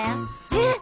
えっ！？